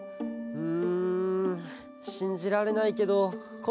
うん。